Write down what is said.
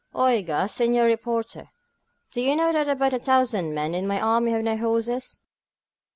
Oiga, senor reporter, do you know that about a thousand men in my army have no horses?